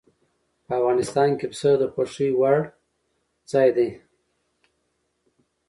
په افغانستان کې پسه د خوښې وړ ځای دی.